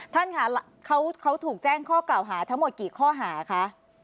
ท่านค่ะเขาถูกแจ้งข้อกล่าวหาทั้งหมดกี่ข้อหาคะ